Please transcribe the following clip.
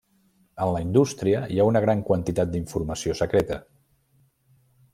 En la indústria hi ha una gran quantitat d'informació secreta.